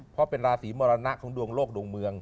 เพราะเป็นราศีมรณะของดวงโลกดวงเมือง